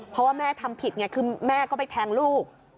เพราะว่าแม่ทำผิดไงคือแม่ก็ไปแทงลูก